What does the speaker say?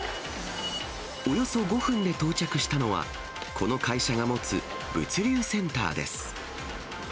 およそ５分で到着したのは、この会社が持つ物流センターです。